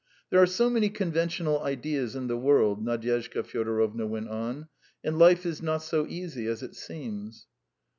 "There are so many conventional ideas in the world," Nadyezhda Fyodorovna went on, "and life is not so easy as it seems."